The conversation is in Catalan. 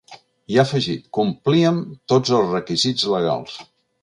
I ha afegit: Complíem tots els requisits legals.